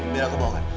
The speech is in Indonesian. biar aku bawahkan